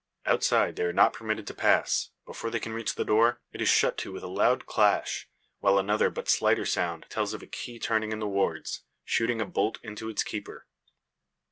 Outside they are not permitted to pass. Before they can reach the door, it is shut to with a loud clash; while another but slighter sound tells of a key turning in the wards, shooting a bolt into its keeper.